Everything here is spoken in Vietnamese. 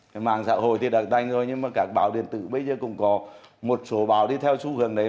cái mạng xã hội thì đã đành rồi nhưng mà các báo điện tử bây giờ cũng có một số báo đi theo xu hướng đấy